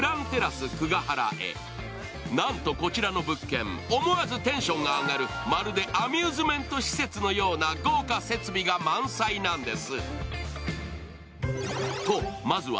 こちらの物件、思わずテンションが上がるアミューズメント施設のような豪華施設が満載なんです。